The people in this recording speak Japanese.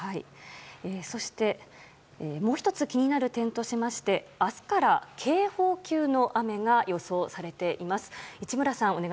そして、もう１つ気になる点としまして明日から警報級の大雨が予想されています。